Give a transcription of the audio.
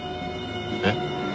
えっ？